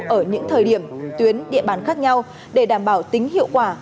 ở những thời điểm tuyến địa bàn khác nhau để đảm bảo tính hiệu quả